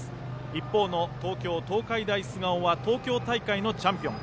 一方の東京・東海大菅生は東京大会のチャンピオン。